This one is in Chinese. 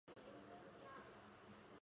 此套路原被称为新架。